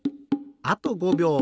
あと５びょう。